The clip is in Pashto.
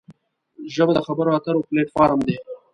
ژبه د خبرو اترو پلیټ فارم دی